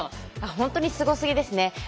本当にすごすぎですね。